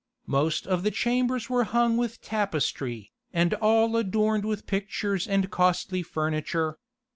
Most of the chambers were hung with tapestry, and all adorned with pictures and costly furniture.